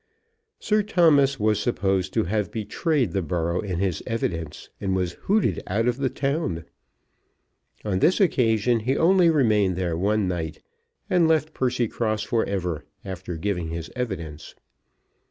Sir Thomas was supposed to have betrayed the borough in his evidence, and was hooted out of the town. On this occasion he only remained there one night, and left Percycross for ever, after giving his evidence.